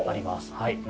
はい。